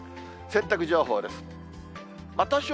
洗濯情報です。